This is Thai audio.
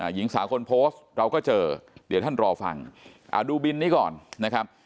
หญิงสาวคนโพสต์เราก็เจอเดี๋ยวท่านรอฟังดูบินนี้ก่อนนะครับ